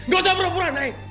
dokter berhubungan nay